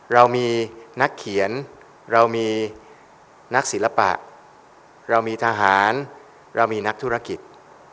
เรามีนักเขียนเรามีนักศิลปะเรามีทหารเรามีนักธุรกิจ